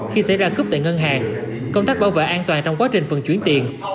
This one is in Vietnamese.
khi xảy ra cướp tại ngân hàng công tác bảo vệ an toàn trong quá trình phần chuyển tiền